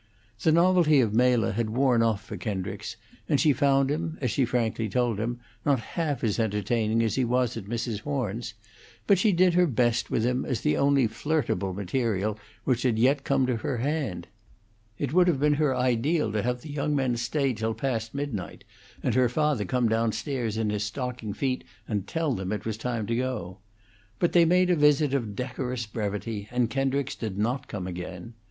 The novelty of Mela had worn off for Kendricks, and she found him, as she frankly told him, not half as entertaining as he was at Mrs. Horn's; but she did her best with him as the only flirtable material which had yet come to her hand. It would have been her ideal to have the young men stay till past midnight, and her father come down stairs in his stocking feet and tell them it was time to go. But they made a visit of decorous brevity, and Kendricks did not come again.